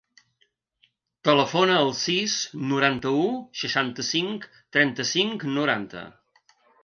Telefona al sis, noranta-u, seixanta-cinc, trenta-cinc, noranta.